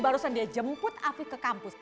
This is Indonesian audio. barusan dia jemput afi ke kampus